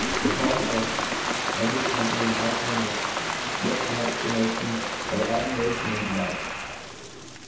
The faulconer and his company mark them with looks and exclamations of adm'u'ation and de ^ light